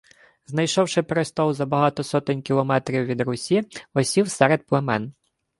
Знайшовши престол за багато сотень кілометрів від Русі, осів серед племен